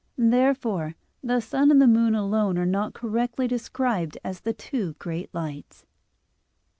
Therefore the sun and the moon alone are not correctly described as the "two great lights."